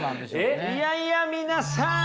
いやいや皆さん！